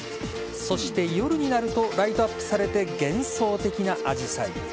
そして夜になるとライトアップされて幻想的なアジサイ。